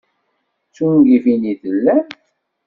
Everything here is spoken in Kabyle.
D tungifin i tellamt?